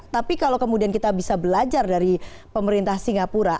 tapi kalau kemudian kita bisa belajar dari pemerintah singapura